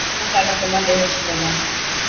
কোন কালে তোমার দেহ ছিল না।